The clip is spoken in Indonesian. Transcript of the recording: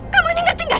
jawab dinda naungulan